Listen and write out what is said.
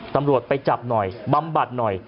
ตำรวจไปจับหน่อยบำบัดหน่อย